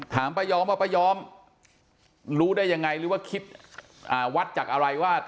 ป้ายอมว่าป้ายอมรู้ได้ยังไงหรือว่าคิดวัดจากอะไรว่า